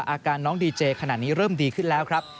อาการน้องดีเจขณะนี้เริ่มดีขึ้นแล้วครับ